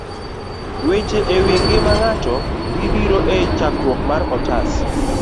Weche e Wi Ngima Ng'ato gibiro e chakruok mar otas